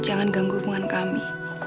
jangan ganggu hubungan kami